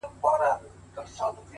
صبر د بریا پخېدل ګړندي کوي!